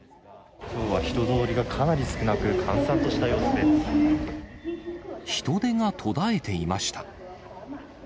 きょうは人通りがかなり少な人出が途絶えていました。